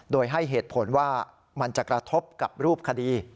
โดยให้เหตุผลว่ามันจะกระทบกับรูปคดี